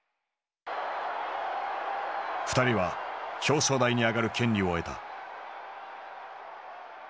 ２人は表彰台に上がる権利を得た。